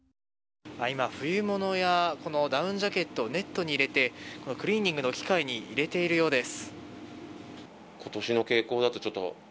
今、冬物やダウンジャケットをネットに入れてクリーニングの機械に入れているようです。